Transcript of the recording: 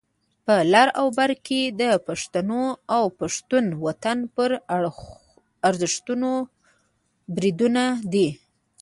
په لر او بر کې د پښتنو او پښتون وطن پر ارزښتونو بریدونه دي.